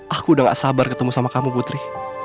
aku udah gak sabar ketemu sama kamu putri